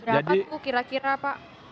berapa bu kira kira pak